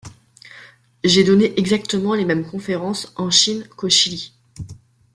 J'ai donné exactement les mêmes conférence en Chine qu'au Chili.